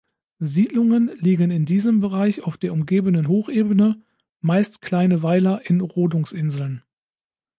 Siedlungen liegen in diesem Bereich auf der umgebenden Hochebene, meist kleine Weiler in Rodungsinseln.